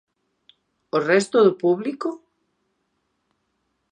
O resto do público?